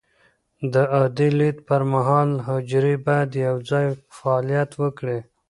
د عادي لید پر مهال، حجرې باید یوځای فعالیت وکړي.